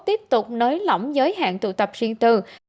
tiếp tục nới lỏng giới hạn tụ tập riêng từ